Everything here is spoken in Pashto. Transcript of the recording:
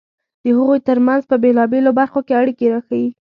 د هغوی ترمنځ په بېلابېلو برخو کې اړیکې راښيي.